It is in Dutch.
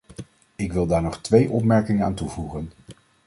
Ik wil daar nog twee opmerkingen aan toevoegen.